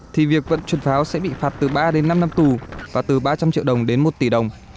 thì việc vận chuyển pháo sẽ bị phạt từ ba đến năm năm tù và từ ba trăm linh triệu đồng đến một tỷ đồng